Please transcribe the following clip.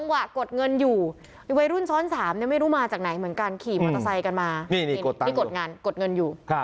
ไว้รุ่นช้อน๓ยังไม่รู้มาจากไหนเหมือนการขี่มอร์ทเซ็นซ์นี่กดเงินอยู่